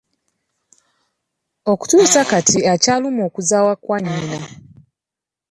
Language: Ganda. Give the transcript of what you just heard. Okutuusa kati akyalumwa okuzaawa kwa nnyina.